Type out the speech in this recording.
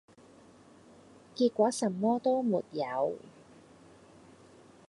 結果什麼都沒有